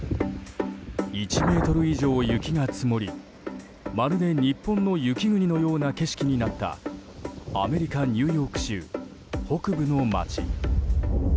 １ｍ以上雪が積もりまるで日本の雪国のような景色になったアメリカ・ニューヨーク州北部の街。